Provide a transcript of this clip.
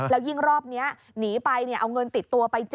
แล้วยิ่งรอบนี้หนีไป